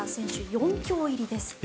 ４強入りです。